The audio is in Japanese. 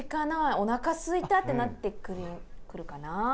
おなかすいたってなってくるかな。